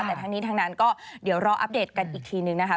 แต่ทั้งนี้ทั้งนั้นก็เดี๋ยวรออัปเดตกันอีกทีนึงนะคะ